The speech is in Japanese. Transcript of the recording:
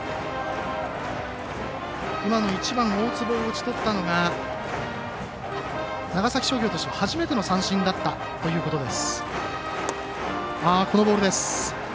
今の１番、大坪を打ち取ったのが長崎商業としては初めての三振だったということです。